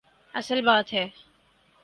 اصل بات ہے۔